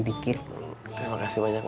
terima kasih banyak